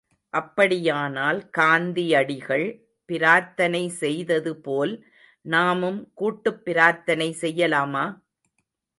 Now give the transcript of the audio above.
அப்படியானால் காந்தியடிகள் பிரார்த்தனை செய்தது போல் நாமும் கூட்டுப் பிரார்த்தனை செய்யலாமா?